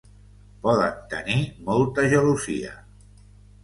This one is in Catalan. Poden tenir molta gelosia.